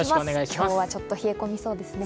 今日はちょっと冷え込みそうですね。